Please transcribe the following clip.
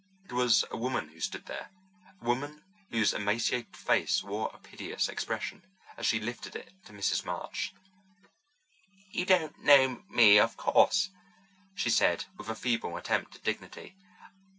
It was a woman who stood there, a woman whose emaciated face wore a piteous expression, as she lifted it to Mrs. March. "You don't know me, of course," she said, with a feeble attempt at dignity.